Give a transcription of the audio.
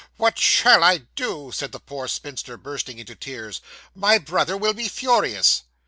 'What shall I do!' said the poor spinster, bursting into tears. 'My brother will be furious.